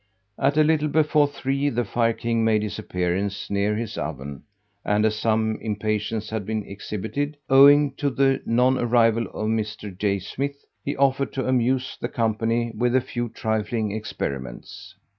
At a little before three the fire king made his appearance near his oven, and as some impatience had been exhibited, owing to the non arrival of Mr. J. Smith, he offered to amuse the company with a few trifling experiments.